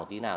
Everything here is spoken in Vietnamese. một tí nào